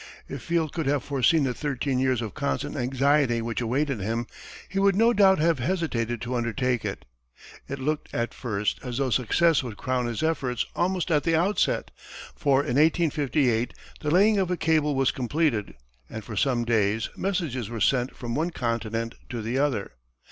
If Field could have foreseen the thirteen years of constant anxiety which awaited him, he would no doubt have hesitated to undertake it. It looked, at first, as though success would crown his efforts almost at the outset, for in 1858, the laying of a cable was completed, and for some days, messages were sent from one continent to the other.